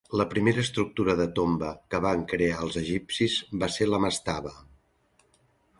La primera estructura de tomba que van crear els egipcis va ser la mastaba.